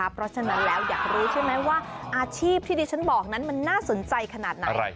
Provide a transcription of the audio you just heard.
เพราะฉะนั้นเราอยากรู้ถึงว่าอาชีพที่ที่ฉันบอกนะน่าสนใจขนาดไหน